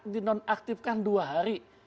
dinonaktifkan dua hari